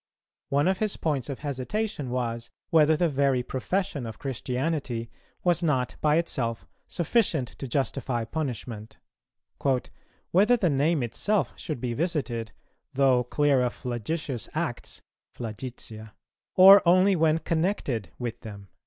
One of his points of hesitation was, whether the very profession of Christianity was not by itself sufficient to justify punishment; "whether the name itself should be visited, though clear of flagitious acts (flagitia), or only when connected with them."